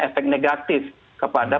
efek negatif kepada